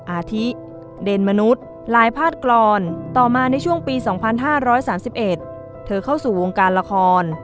อาทิเดนมนุษย์ลายพาดกรอนต่อมาในช่วงปี๒๕๓๑เธอเข้าสู่วงการละคร